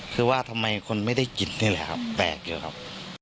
คือว่าทำไมคนไม่ได้กินนี่แหละครับแปลกอยู่ครับ